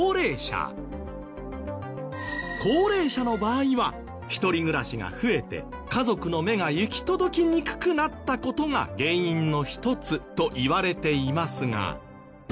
高齢者の場合は一人暮らしが増えて家族の目が行き届きにくくなった事が原因の一つといわれていますが。